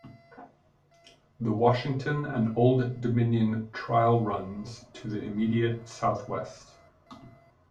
The Washington and Old Dominion Trail runs to the immediate southwest.